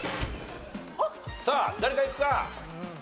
さあ誰かいくか？